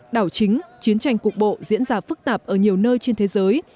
đảo chính chiến tranh cục bộ diễn ra phức tạp ở nhiều nơi trên thế giới